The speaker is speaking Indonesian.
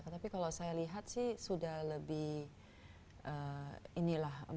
tapi kalau saya lihat sih sudah lebih inilah